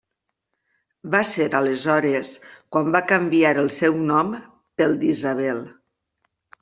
Va ser aleshores quan va canviar el seu nom pel d'Isabel.